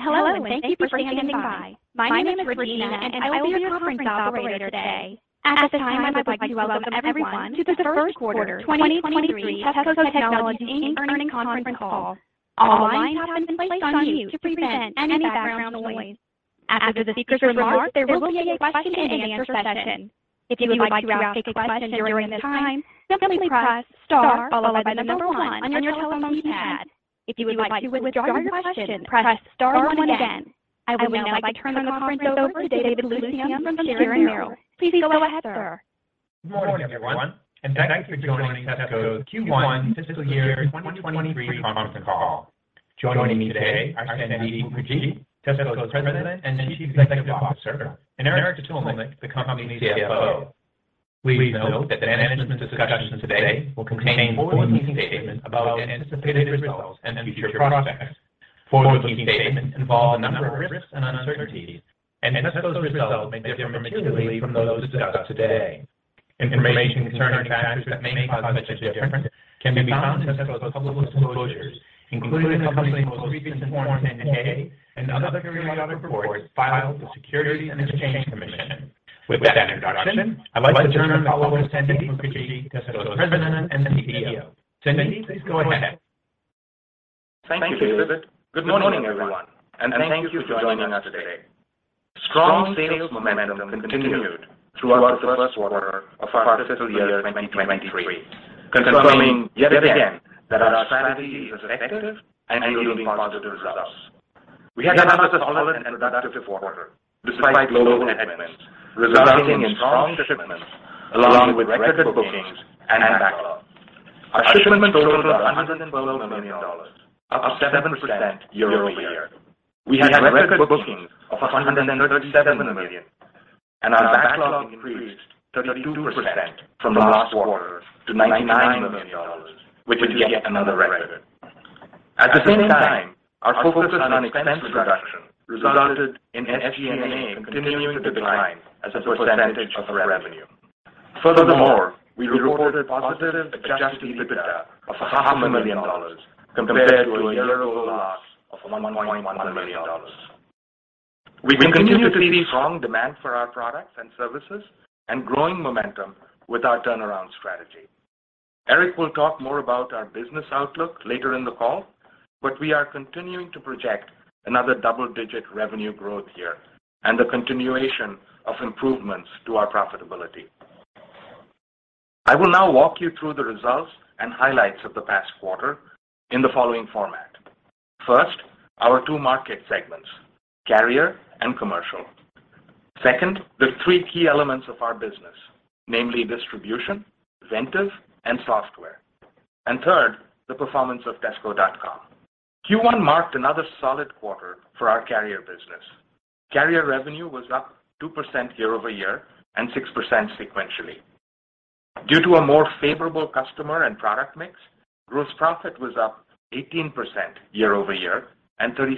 Hello, and thank you for standing by. My name is Regina, and I will be your conference operator today. At this time, I would like to welcome everyone to the first quarter 2023 Tessco Technologies Inc earnings conference call. All lines have been placed on mute to prevent any background noise. After the speakers' remarks, there will be a question-and-answer session. If you would like to ask a question during this time, simply press star followed by the number one on your telephone pad. If you would like to withdraw your question, press star one again. I would now like to turn the conference over to David Calusdian from Sharon Merrill. Please go ahead, sir. Good morning, everyone, and thanks for joining Tessco's Q1 fiscal year 2023 conference call. Joining me today are Sandip Mukerjee, Tessco's President and Chief Executive Officer, and Aric Spitulnik, the company's CFO. Please note that management's discussion today will contain forward-looking statements about anticipated results and future prospects. Forward-looking statements involve a number of risks and uncertainties, and Tessco's results may differ materially from those discussed today. Information concerning factors that may cause such difference can be found in Tessco's public disclosures, including the company's most recent Form 10-K and other periodic reports filed with the Securities and Exchange Commission. With that introduction, I'd like to turn the call over to Sandip Mukerjee, Tessco's President and CEO. Sandip, please go ahead. Thank you, David. Good morning, everyone, and thank you for joining us today. Strong sales momentum continued throughout the first quarter of our fiscal year 2023, confirming yet again that our strategy is effective and yielding positive results. We had another solid and productive quarter despite global headwinds, resulting in strong shipments along with record bookings and backlog. Our shipments totaled $112 million, up 7% year-over-year. We had record bookings of $137 million, and our backlog increased 32% from last quarter to $99 million, which is yet another record. At the same time, our focus on expense reduction resulted in SG&A continuing to decline as a percentage of revenue. Furthermore, we reported positive adjusted EBITDA of $500,000 compared to a year-ago loss of $1.1 million. We continue to see strong demand for our products and services and growing momentum with our turnaround strategy. Aric will talk more about our business outlook later in the call, but we are continuing to project another double-digit revenue growth year and the continuation of improvements to our profitability. I will now walk you through the results and highlights of the past quarter in the following format. First, our two market segments, carrier and commercial. Second, the three key elements of our business, namely distribution, Ventev, and software. Third, the performance of tessco.com. Q1 marked another solid quarter for our carrier business. Carrier revenue was up 2% year-over-year and 6% sequentially. Due to a more favorable customer and product mix, gross profit was up 18% year-over-year and 36%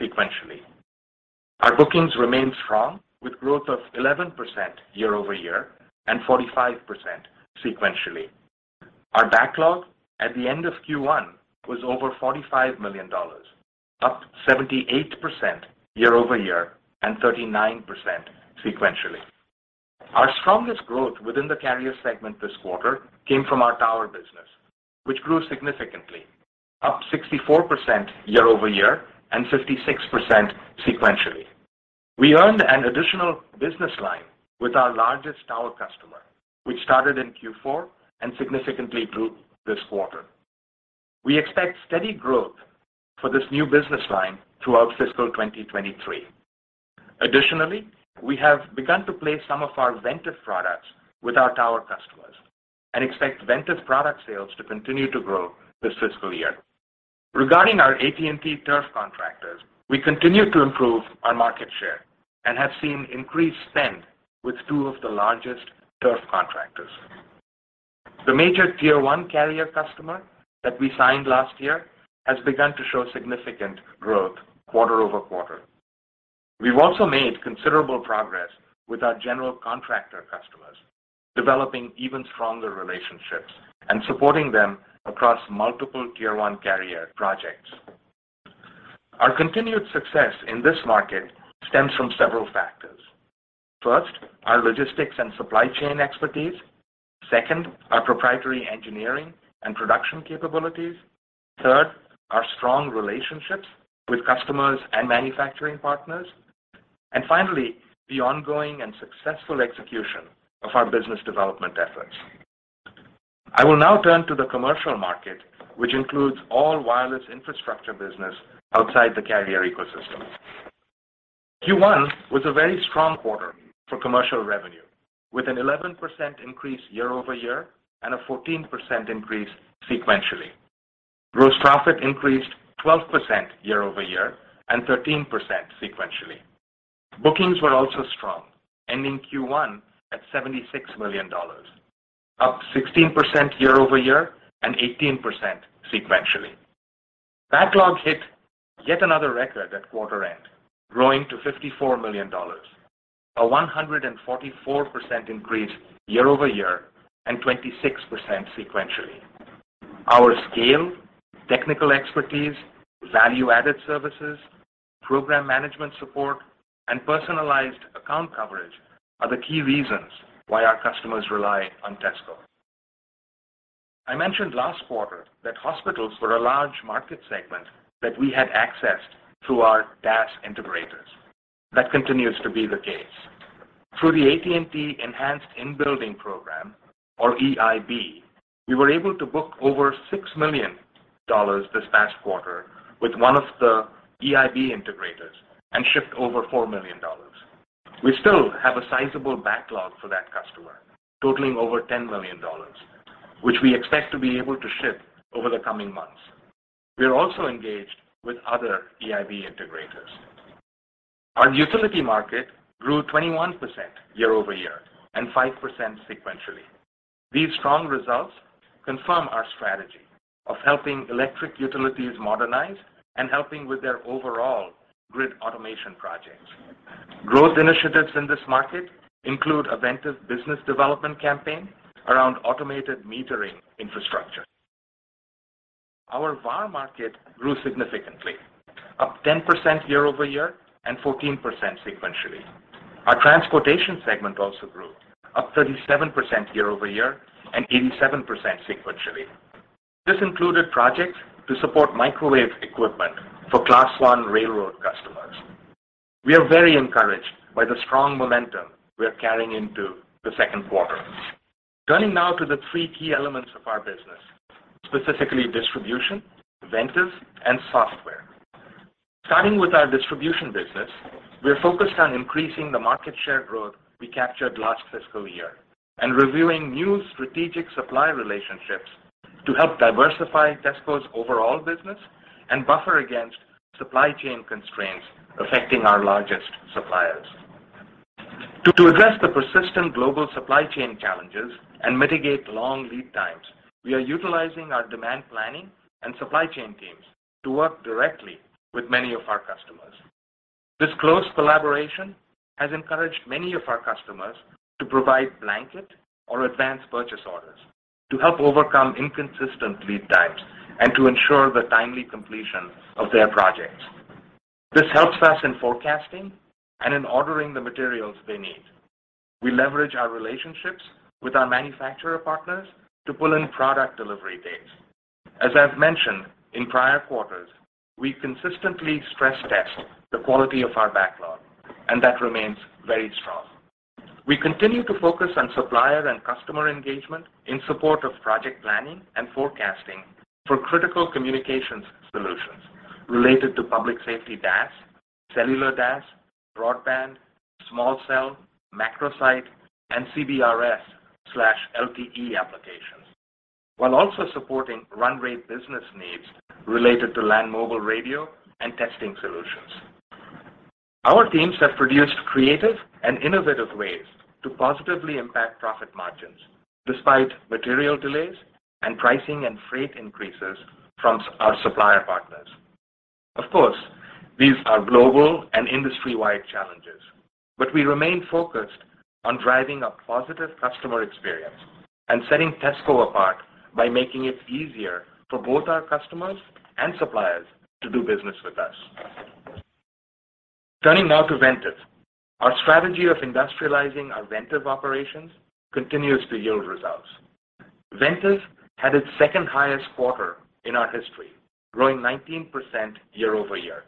sequentially. Our bookings remain strong with growth of 11% year-over-year and 45% sequentially. Our backlog at the end of Q1 was over $45 million, up 78% year-over-year and 39% sequentially. Our strongest growth within the carrier segment this quarter came from our tower business, which grew significantly, up 64% year-over-year and 56% sequentially. We earned an additional business line with our largest tower customer, which started in Q4 and significantly grew this quarter. We expect steady growth for this new business line throughout fiscal 2023. Additionally, we have begun to place some of our Ventev products with our tower customers and expect Ventev product sales to continue to grow this fiscal year. Regarding our AT&T turf contractors, we continue to improve our market share and have seen increased spend with two of the largest turf contractors. The major tier one carrier customer that we signed last year has begun to show significant growth quarter-over-quarter. We've also made considerable progress with our general contractor customers, developing even stronger relationships and supporting them across multiple tier one carrier projects. Our continued success in this market stems from several factors. First, our logistics and supply chain expertise. Second, our proprietary engineering and production capabilities. Third, our strong relationships with customers and manufacturing partners. Finally, the ongoing and successful execution of our business development efforts. I will now turn to the commercial market, which includes all wireless infrastructure business outside the carrier ecosystem. Q1 was a very strong quarter for commercial revenue, with an 11% increase year-over-year and a 14% increase sequentially. Gross profit increased 12% year-over-year and 13% sequentially. Bookings were also strong, ending Q1 at $76 million, up 16% year-over-year and 18% sequentially. Backlog hit yet another record at quarter end, growing to $54 million. A 144% increase year-over-year and 26% sequentially. Our scale, technical expertise, value-added services, program management support, and personalized account coverage are the key reasons why our customers rely on Tessco. I mentioned last quarter that hospitals were a large market segment that we had accessed through our DAS integrators. That continues to be the case. Through the AT&T Enhanced In-Building program, or EIB, we were able to book over $6 million this past quarter with one of the EIB integrators and ship over $4 million. We still have a sizable backlog for that customer, totaling over $10 million, which we expect to be able to ship over the coming months. We are also engaged with other EIB integrators. Our utility market grew 21% year-over-year and 5% sequentially. These strong results confirm our strategy of helping electric utilities modernize and helping with their overall grid automation projects. Growth initiatives in this market include a Ventev business development campaign around automated metering infrastructure. Our VAR market grew significantly, up 10% year-over-year and 14% sequentially. Our transportation segment also grew, up 37% year-over-year and 87% sequentially. This included projects to support microwave equipment for Class I railroad customers. We are very encouraged by the strong momentum we are carrying into the second quarter. Turning now to the three key elements of our business, specifically distribution, Ventev, and software. Starting with our distribution business, we are focused on increasing the market share growth we captured last fiscal year and reviewing new strategic supply relationships to help diversify Tessco's overall business and buffer against supply chain constraints affecting our largest suppliers. To address the persistent global supply chain challenges and mitigate long lead times, we are utilizing our demand planning and supply chain teams to work directly with many of our customers. This close collaboration has encouraged many of our customers to provide blanket or advance purchase orders to help overcome inconsistent lead times and to ensure the timely completion of their projects. This helps us in forecasting and in ordering the materials they need. We leverage our relationships with our manufacturer partners to pull in product delivery dates. As I've mentioned in prior quarters, we consistently stress test the quality of our backlog, and that remains very strong. We continue to focus on supplier and customer engagement in support of project planning and forecasting for critical communications solutions related to public safety DAS, cellular DAS, broadband, small cell, macro site, and CBRS/LTE applications, while also supporting run rate business needs related to land mobile radio and testing solutions. Our teams have produced creative and innovative ways to positively impact profit margins despite material delays and pricing and freight increases from our supplier partners. Of course, these are global and industry-wide challenges, but we remain focused on driving a positive customer experience and setting Tessco apart by making it easier for both our customers and suppliers to do business with us. Turning now to Ventev. Our strategy of industrializing our Ventev operations continues to yield results. Ventev had its second highest quarter in our history, growing 19% year-over-year,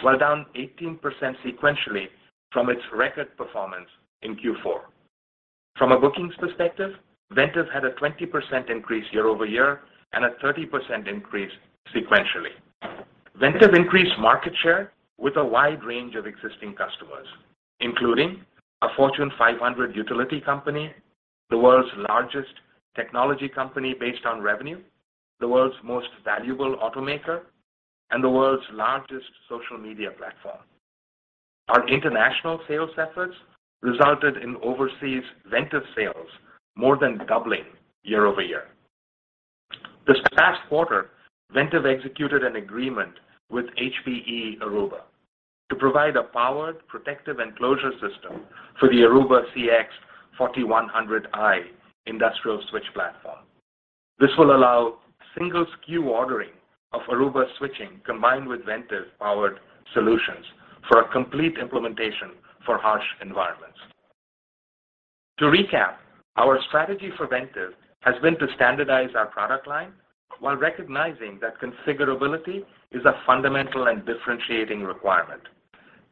while down 18% sequentially from its record performance in Q4. From a bookings perspective, Ventev had a 20% increase year-over-year and a 30% increase sequentially. Ventev increased market share with a wide range of existing customers, including a Fortune 500 utility company, the world's largest technology company based on revenue, the world's most valuable automaker, and the world's largest social media platform. Our international sales efforts resulted in overseas Ventev sales more than doubling year-over-year. This past quarter, Ventev executed an agreement with HPE Aruba Networking to provide a powered, protective enclosure system for the Aruba CX 4100i industrial switch platform. This will allow single SKU ordering of Aruba switching combined with Ventev-powered solutions for a complete implementation for harsh environments. To recap, our strategy for Ventev has been to standardize our product line while recognizing that configurability is a fundamental and differentiating requirement.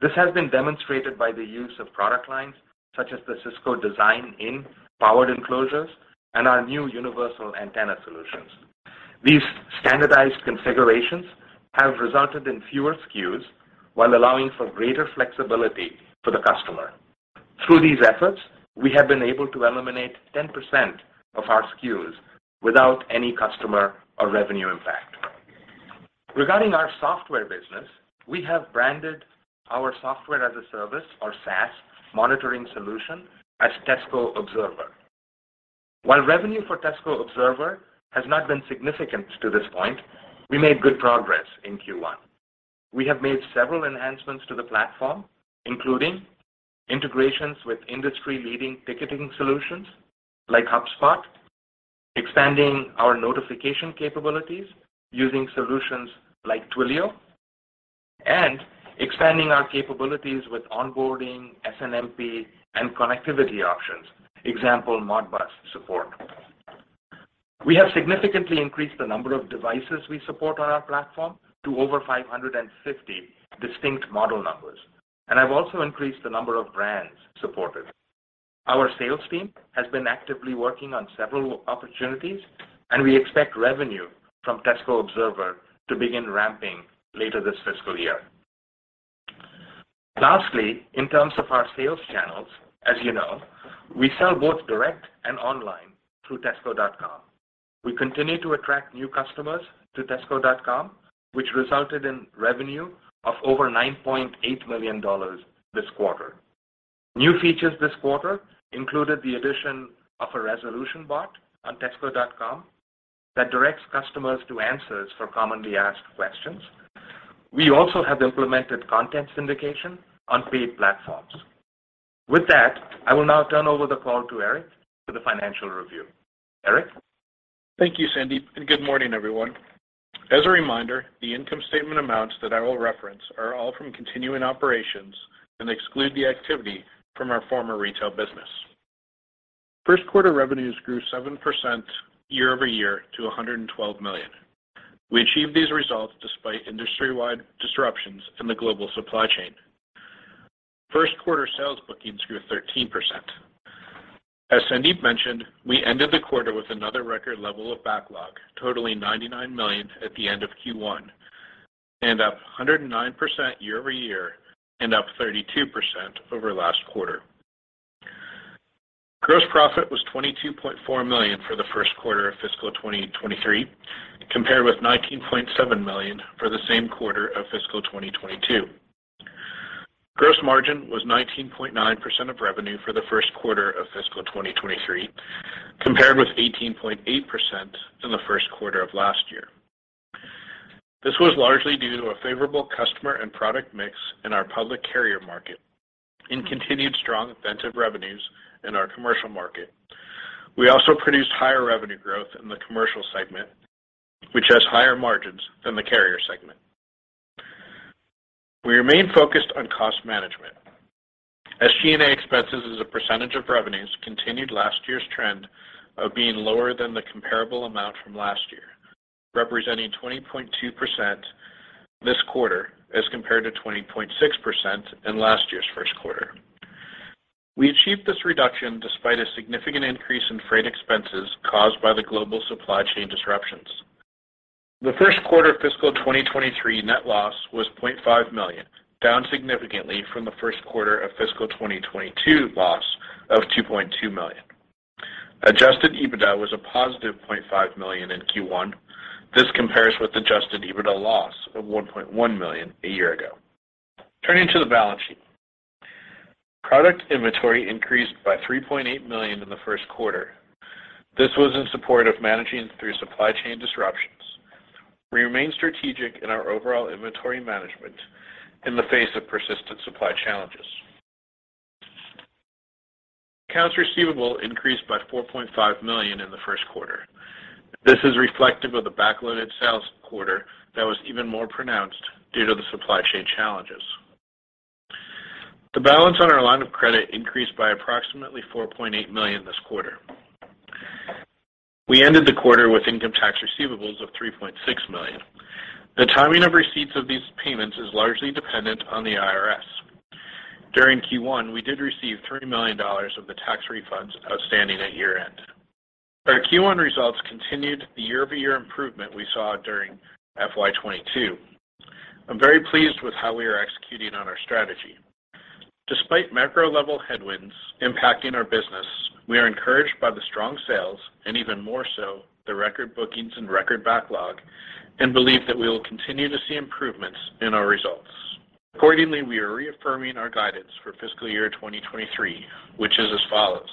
This has been demonstrated by the use of product lines such as the Cisco Design-In powered enclosures and our new universal antenna solutions. These standardized configurations have resulted in fewer SKUs while allowing for greater flexibility for the customer. Through these efforts, we have been able to eliminate 10% of our SKUs without any customer or revenue impact. Regarding our software business, we have branded our software as a service, or SaaS, monitoring solution as Tessco Observer. While revenue for Tessco Observer has not been significant to this point, we made good progress in Q1. We have made several enhancements to the platform, including integrations with industry-leading ticketing solutions like HubSpot, expanding our notification capabilities using solutions like Twilio, and expanding our capabilities with onboarding SNMP and connectivity options, for example, Modbus support. We have significantly increased the number of devices we support on our platform to over 550 distinct model numbers, and I've also increased the number of brands supported. Our sales team has been actively working on several opportunities, and we expect revenue from Tessco Observer to begin ramping later this fiscal year. Lastly, in terms of our sales channels, as you know, we sell both direct and online through tessco.com. We continue to attract new customers to tessco.com, which resulted in revenue of over $9.8 million this quarter. New features this quarter included the addition of a resolution bot on tessco.com that directs customers to answers for commonly asked questions. We also have implemented content syndication on paid platforms. With that, I will now turn over the call to Aric for the financial review. Aric? Thank you, Sandip, and good morning, everyone. As a reminder, the income statement amounts that I will reference are all from continuing operations and exclude the activity from our former retail business. First quarter revenues grew 7% year-over-year to $112 million. We achieved these results despite industry-wide disruptions in the global supply chain. First quarter sales bookings grew 13%. As Sandip mentioned, we ended the quarter with another record level of backlog, totaling $99 million at the end of Q1 and up 109% year-over-year and up 32% over last quarter. Gross profit was $22.4 million for the first quarter of fiscal 2023, compared with $19.7 million for the same quarter of fiscal 2022. Gross margin was 19.9% of revenue for the first quarter of fiscal 2023, compared with 18.8% in the first quarter of last year. This was largely due to a favorable customer and product mix in our public carrier market and continued strong Ventev revenues in our commercial market. We also produced higher revenue growth in the commercial segment, which has higher margins than the carrier segment. We remain focused on cost management. SG&A expenses as a percentage of revenues continued last year's trend of being lower than the comparable amount from last year, representing 20.2% this quarter as compared to 20.6% in last year's first quarter. We achieved this reduction despite a significant increase in freight expenses caused by the global supply chain disruptions. The first quarter of fiscal 2023 net loss was $0.5 million, down significantly from the first quarter of fiscal 2022 loss of $2.2 million. Adjusted EBITDA was a positive $0.5 million in Q1. This compares with adjusted EBITDA loss of $1.1 million a year ago. Turning to the balance sheet. Product inventory increased by $3.8 million in the first quarter. This was in support of managing through supply chain disruptions. We remain strategic in our overall inventory management in the face of persistent supply challenges. Accounts receivable increased by $4.5 million in the first quarter. This is reflective of the backloaded sales quarter that was even more pronounced due to the supply chain challenges. The balance on our line of credit increased by approximately $4.8 million this quarter. We ended the quarter with income tax receivables of $3.6 million. The timing of receipts of these payments is largely dependent on the IRS. During Q1, we did receive $30 million of the tax refunds outstanding at year-end. Our Q1 results continued the year-over-year improvement we saw during FY 2022. I'm very pleased with how we are executing on our strategy. Despite macro level headwinds impacting our business, we are encouraged by the strong sales, and even more so, the record bookings and record backlog, and believe that we will continue to see improvements in our results. Accordingly, we are reaffirming our guidance for fiscal year 2023, which is as follows.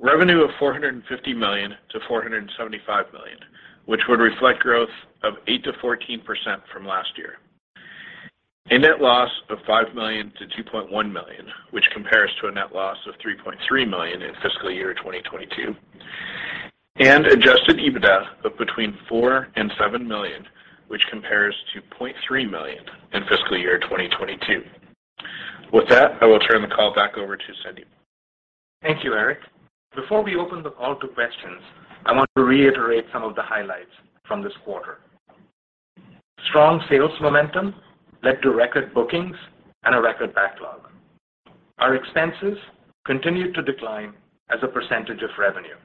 Revenue of $450 million-$475 million, which would reflect growth of 8%-14% from last year. A net loss of $5 million-$2.1 million, which compares to a net loss of $3.3 million in fiscal year 2022. Adjusted EBITDA of between $4 million and $7 million, which compares to $0.3 million in fiscal year 2022. With that, I will turn the call back over to Sandip. Thank you, Aric. Before we open the call to questions, I want to reiterate some of the highlights from this quarter. Strong sales momentum led to record bookings and a record backlog. Our expenses continued to decline as a percentage of revenue.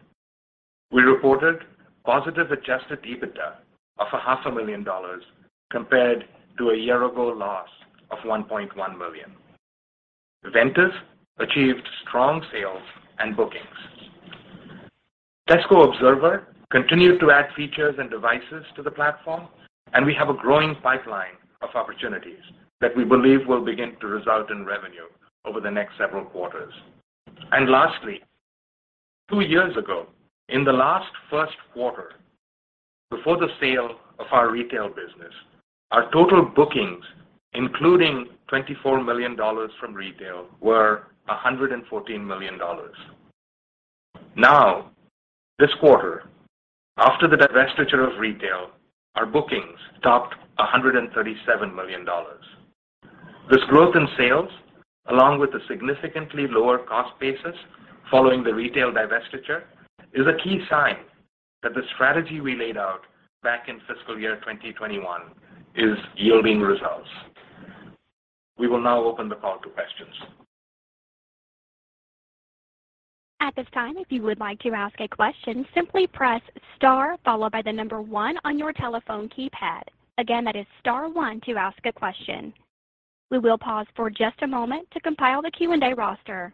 We reported positive adjusted EBITDA of a half a million dollars compared to a year ago loss of $1.1 million. Ventev achieved strong sales and bookings. Tessco Observer continued to add features and devices to the platform, and we have a growing pipeline of opportunities that we believe will begin to result in revenue over the next several quarters. Lastly, two years ago, in the last first quarter, before the sale of our retail business, our total bookings, including $24 million from retail, were $114 million. Now, this quarter, after the divestiture of retail, our bookings topped $137 million. This growth in sales, along with the significantly lower cost basis following the retail divestiture, is a key sign that the strategy we laid out back in fiscal year 2021 is yielding results. We will now open the call to questions. At this time, if you would like to ask a question, simply press star followed by one on your telephone keypad. Again, that is star one to ask a question. We will pause for just a moment to compile the Q&A roster.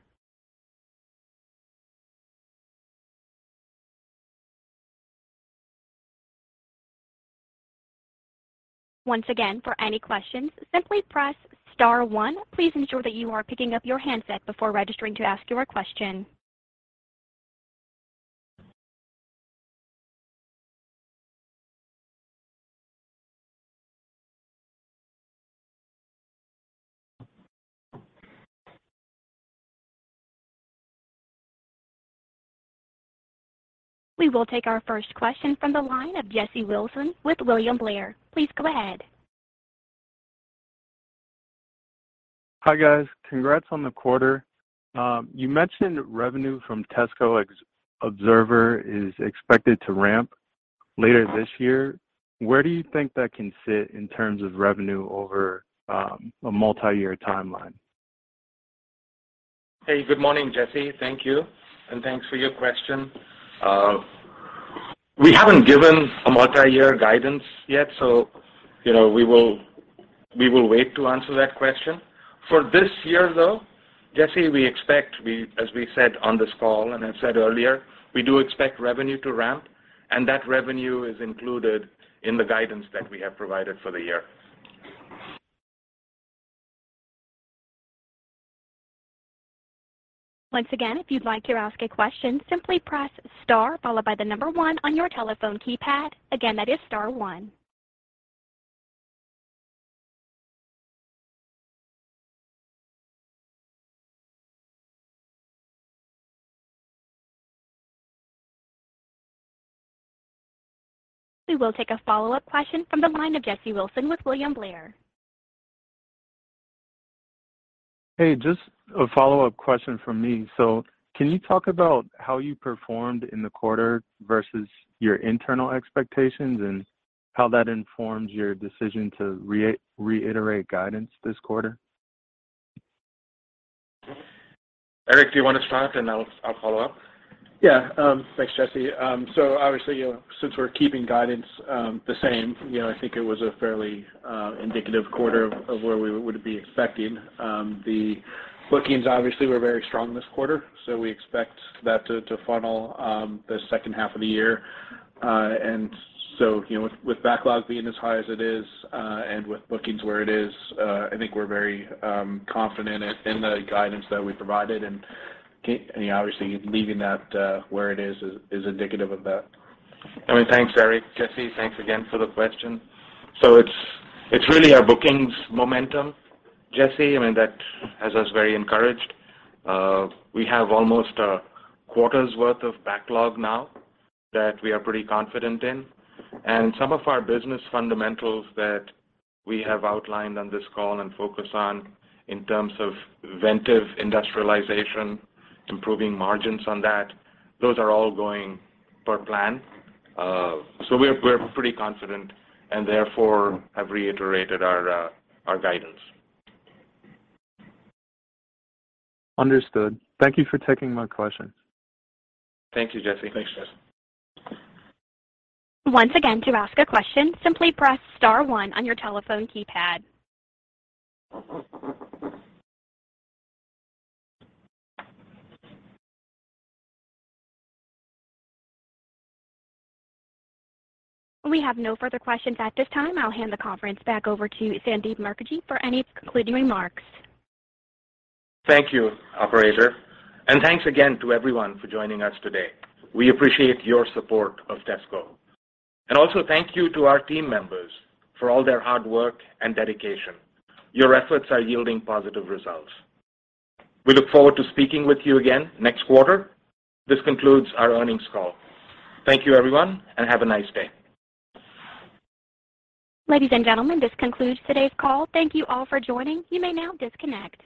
Once again, for any questions, simply press star one. Please ensure that you are picking up your handset before registering to ask your question. We will take our first question from the line of Jesse Wilson with William Blair. Please go ahead. Hi, guys. Congrats on the quarter. You mentioned revenue from Tessco Observer is expected to ramp later this year. Where do you think that can fit in terms of revenue over a multi-year timeline? Hey, good morning, Jesse. Thank you, and thanks for your question. We haven't given a multi-year guidance yet, so, you know, we will wait to answer that question. For this year, though, Jesse, we expect, as we said on this call and have said earlier, we do expect revenue to ramp, and that revenue is included in the guidance that we have provided for the year. Once again, if you'd like to ask a question, simply press star followed by the number one on your telephone keypad. Again, that is star one. We will take a follow-up question from the line of Jesse Wilson with William Blair. Hey, just a follow-up question from me. Can you talk about how you performed in the quarter versus your internal expectations and how that informs your decision to re-reiterate guidance this quarter? Aric, do you wanna start and I'll follow-up? Yeah, thanks, Jesse. Obviously, you know, since we're keeping guidance the same, you know, I think it was a fairly indicative quarter of where we would be expecting. The bookings obviously were very strong this quarter, so we expect that to funnel the second half of the year. You know, with backlog being as high as it is, and with bookings where it is, I think we're very confident in the guidance that we provided. And obviously leaving that where it is is indicative of that. I mean, thanks, Aric. Jesse, thanks again for the question. It's really our bookings momentum, Jesse, I mean, that has us very encouraged. We have almost a quarter's worth of backlog now that we are pretty confident in. Some of our business fundamentals that we have outlined on this call and focus on in terms of Ventev industrialization, improving margins on that, those are all going per plan. We're pretty confident and therefore have reiterated our guidance. Understood. Thank you for taking my questions. Thank you, Jesse. Thanks, Jesse. Once again, to ask a question, simply press star one on your telephone keypad. We have no further questions at this time. I'll hand the conference back over to Sandip Mukerjee for any concluding remarks. Thank you, operator. Thanks again to everyone for joining us today. We appreciate your support of Tessco. Thank you to our team members for all their hard work and dedication. Your efforts are yielding positive results. We look forward to speaking with you again next quarter. This concludes our earnings call. Thank you, everyone, and have a nice day. Ladies and gentlemen, this concludes today's call. Thank you all for joining. You may now disconnect.